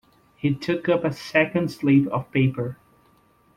He took up a second slip of paper.